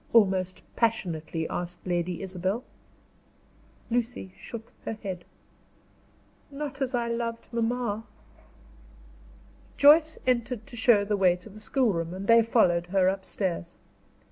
almost passionately asked Lady Isabel. Lucy shook her head. "Not as I loved mamma." Joyce entered to show the way to the schoolroom, and they followed her upstairs.